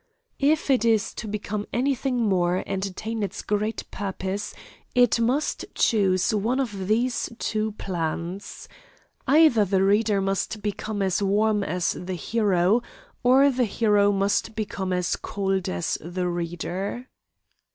If it is to become any thing more and attain its great purpose, it must choose one of these two plans: either the reader must become as warm as the hero, or the hero must become as cold as the reader.